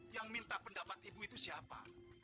yang minta pendapat ibu itu siapa